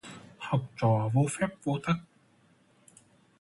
Học trò vô phép vô tắc